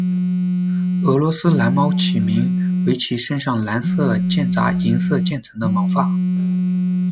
俄罗斯蓝猫起名为其身上蓝色间杂银色渐层的毛发。